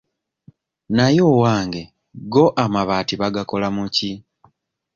Naye owange go amabaati bagakola mu ki?